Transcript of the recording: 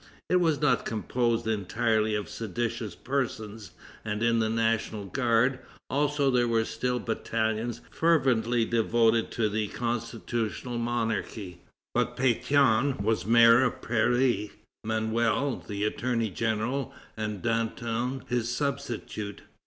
It was not composed entirely of seditious persons, and in the National Guard, also, there were still battalions fervently devoted to the constitutional monarchy. But Pétion was mayor of Paris; Manuel, the attorney general, and Danton his substitute.